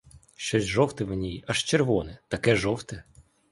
Щось жовте в ній, аж червоне — таке жовте.